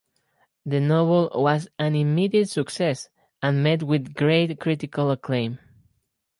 The novel was an immediate success and met with great critical acclaim.